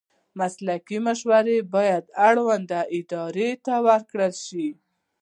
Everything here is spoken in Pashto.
مسلکي مشورې باید اړوندو ادارو ته ورکړل شي.